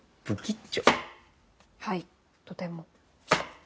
はいとても。